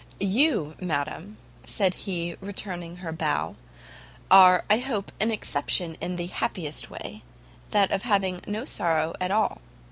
"You, madam," said he, returning her bow, "are I hope an exception in the happiest way, that of having no sorrow at all.